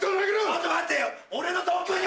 ちょっと待ってよ！